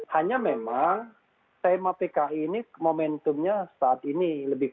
hanya memang tema pki ini momentumnya saat ini